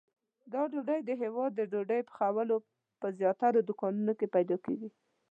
دا ډوډۍ د هیواد د ډوډۍ پخولو په زیاترو دوکانونو کې پیدا کېږي.